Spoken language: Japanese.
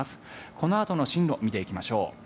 このあとの進路を見ていきましょう。